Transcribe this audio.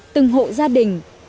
từng hộ gia đình